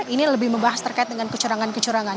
ini lebih membahas terkait dengan kecurangan kecurangan